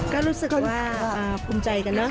ก็รู้สึกว่าภูมิใจกันเนอ